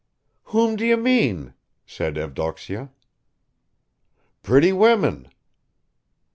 "Whom do you mean?" sad Evdoksya. "Pretty women."